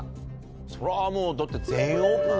そりゃもうだって全員オープンでしょ。